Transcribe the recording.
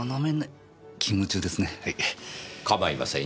構いませんよ。